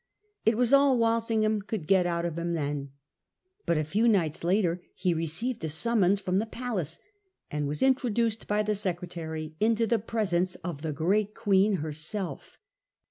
It was all Walsingham could get out of him then. But a few nights later he received a summons from the palace, and was introduced by the Secretary into the presence of the great Queen herself.